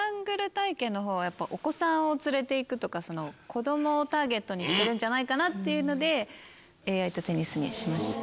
やっぱお子さんを連れて行くとか。にしてるんじゃないかなっていうのでＡＩとテニスにしました。